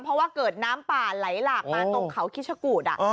เพราะว่าเกิดน้ำป่าไหลหลากมาตรงเขาคิชกูด